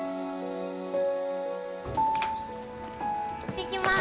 行ってきます。